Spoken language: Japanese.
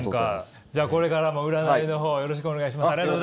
じゃあこれからも占いの方よろしくお願いします。